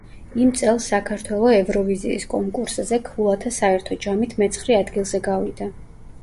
იმ წელს საქართველო ევროვიზიის კონკურსზე ქულათა საერთო ჯამით მეცხრე ადგილზე გავიდა.